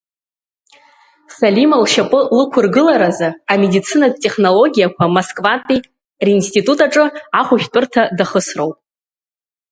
Салима лшьапы лықәыргыларазы Амедицинатә технологиақәа Москватәи ринститут аҿы ахәшәтәыра дахысроуп.